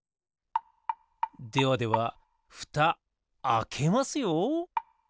ではではふたあけますよ。